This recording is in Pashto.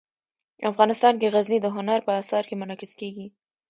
افغانستان کې غزني د هنر په اثار کې منعکس کېږي.